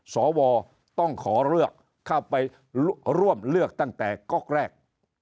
สวต้องขอเลือกเข้าไปร่วมเลือกตั้งแต่ก๊อกแรก